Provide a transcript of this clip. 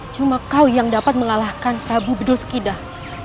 cuma kau yang dapat mengalahkan prabu bedul sekidah